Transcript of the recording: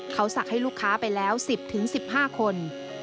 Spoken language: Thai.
เขาสักให้ลูกค้าไปแล้ว๑๐๑๕คน